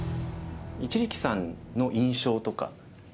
一力さんの印象とか。